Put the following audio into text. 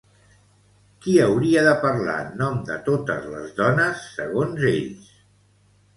Qui hauria de parlar en nom de totes les dones, segons ells?